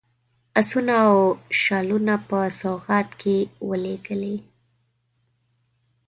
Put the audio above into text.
آسونه او شالونه په سوغات کې ولېږلي.